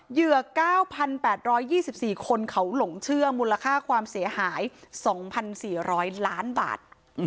เหยื่อ๙๘๒๔คนเขาหลงเชื่อมูลค่าความเสียหาย๒๔๐๐ล้านบาท